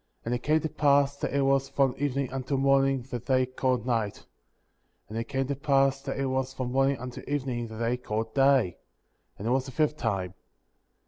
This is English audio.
23. And it came to pass that it was from evening until morning that they called night; and it came to pass that it was from morning until evening that they called day ; and it was the fifth time.